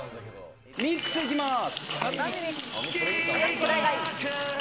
ミックス行きます。